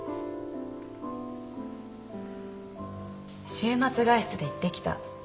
週末外出で行ってきた。